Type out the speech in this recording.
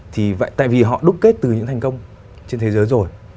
thì tại vì họ đúc kết từ những thành công trên thế giới rồi